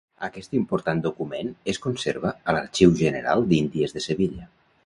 Aquest important document es conserva a l'Arxiu General d'Índies de Sevilla.